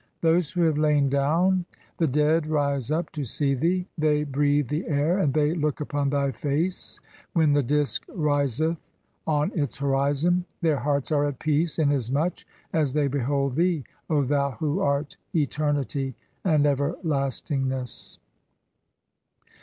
Those who have lain down (?'. e., the "dead) rise up to see thee, they (5) breathe the air and they "look upon thy face when the disk riseth on its horizon ; their "hearts are at peace inasmuch as they behold thee, O thou who "art Eternity and Everlastingness